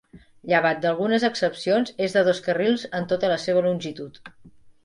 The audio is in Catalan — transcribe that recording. Llevat d'algunes excepcions, és de dos carrils en tota la seva longitud.